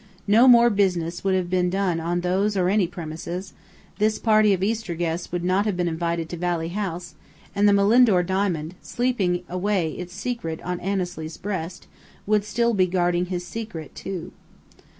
No more "business" would have been done on those or any premises; this party of Easter guests would not have been invited to Valley House; and the Malindore diamond, sleeping away its secret on Annesley's breast, would still be guarding his secret, too.